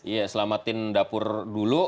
iya selamatin dapur dulu